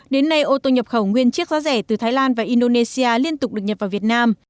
đến nay ô tô nhập khẩu nguyên chiếc giá rẻ từ thái lan và indonesia liên tục được nhập vào việt nam